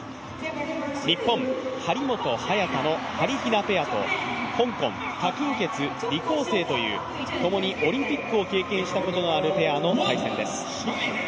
日本・張本、早田のはりひなペアと香港の、ともにオリンピックを経験したことがあるペアとの対戦です。